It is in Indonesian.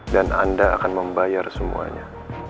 anda akan membayar semuanya